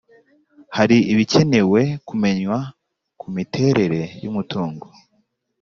Hari ibikenewe kumenywa ku miterere y’umutungo